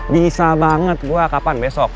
bisa banget gua kapan besok